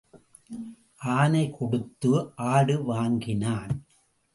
ஆனை கொடுத்து ஆடு வாங்கினான்.